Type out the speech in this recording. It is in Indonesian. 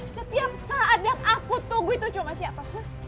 setiap saat yang aku tunggu itu cuma siapa